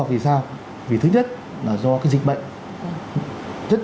vì thứ nhất là do cái dịch bệnh rất